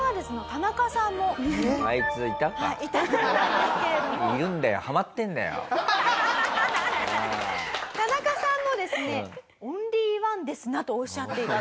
田中さんもですね「オンリーワンですな」とおっしゃっていたと。